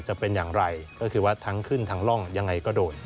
จะเป็นอย่างไรก็คือว่าทั้งขึ้นทั้งร่องยังไงก็โดน